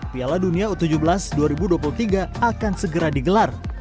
piala dunia u tujuh belas dua ribu dua puluh tiga akan segera digelar